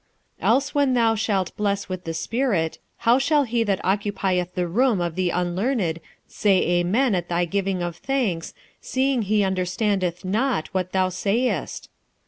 46:014:016 Else when thou shalt bless with the spirit, how shall he that occupieth the room of the unlearned say Amen at thy giving of thanks, seeing he understandeth not what thou sayest?